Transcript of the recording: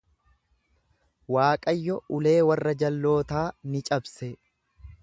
Waaqayyo ulee warra jal’ootaa ni cabse.